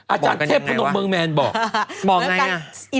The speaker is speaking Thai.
อาจารย์เทพปะนมเมิงแมนบอกเขาก็ยังไงอ่ะ